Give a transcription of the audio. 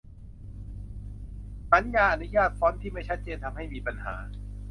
สัญญาอนุญาต ฟอนต์ ที่ไม่ชัดเจน ทำให้มีปัญหา